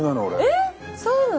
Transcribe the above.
えっそうなの？